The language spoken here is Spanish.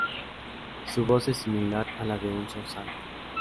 Su voz es similar a la de un "zorzal".